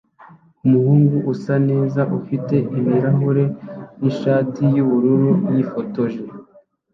Umuhungu usa neza ufite ibirahure nishati yubururu yifotoje